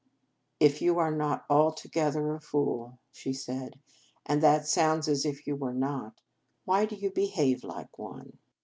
" If you are not altogether a fool," she said, "and that sounds as if you were not, why do you behave like one